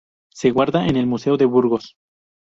Se guarda en el Museo de Burgos.